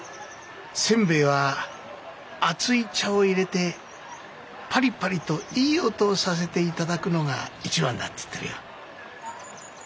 「煎餅は熱い茶をいれてパリパリといい音をさせて頂くのが一番だ」って言ってるよ。